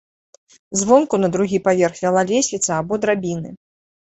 Звонку на другі паверх вяла лесвіца або драбіны.